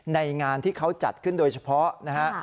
งานที่เขาจัดขึ้นโดยเฉพาะนะฮะ